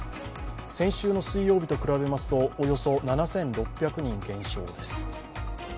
先週の水曜日と比べますとおよそ７６００人減少です。